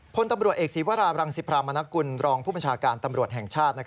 พอสิวารารางซิภารมณกุลรองผู้ประชาการตำรวจแห่งชาติ